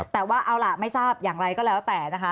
แต่ว่าเอาล่ะไม่ทราบอย่างไรก็แล้วแต่นะคะ